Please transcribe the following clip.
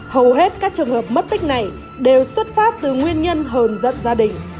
hầu hết các trường hợp mất tích này đều xuất phát từ nguyên nhân hờn dận gia đình